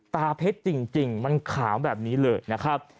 ตาเพชรจริงมันขาวแบบนี้เลยนะครับ